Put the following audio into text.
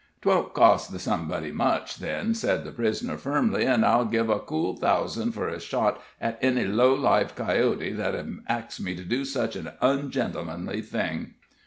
"'Twon't cost the somebody much, then," said the prisoner, firmly; "an' I'd give a cool thousand for a shot at any low lived coyote that 'ud ax me to do sich an ungentlemanly thing."